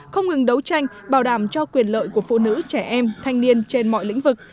không ngừng đấu tranh bảo đảm cho quyền lợi của phụ nữ trẻ em thanh niên trên mọi lĩnh vực